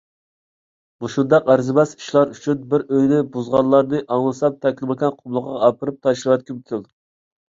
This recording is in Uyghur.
مۇشۇنداق ئەرزىمەس ئىشلار ئۈچۈن بىر ئۆينى بۇزغانلارنى ئاڭلىسام، تەكلىماكان قۇملۇقىغا ئاپىرىپ تاشلىۋەتكۈم كېلىدۇ.